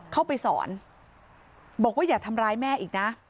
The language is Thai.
เข้าไปสอนบอกว่าอย่าทำร้ายแม่อีกนะ